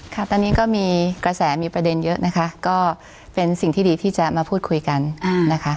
ค่ะตอนนี้ก็มีกระแสมีประเด็นเยอะนะคะก็เป็นสิ่งที่ดีที่จะมาพูดคุยกันนะคะ